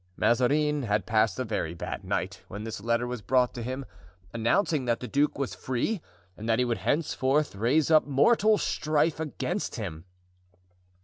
Mazarin had passed a very bad night when this letter was brought to him, announcing that the duke was free and that he would henceforth raise up mortal strife against him.